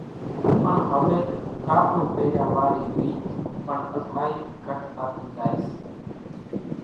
پڻ هويَ ڪاپڙون پيريا وارِي ريچ پڻ الائِي گھٽ ٿاتِي زائيَ سي۔